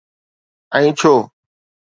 ۽ ڇو؟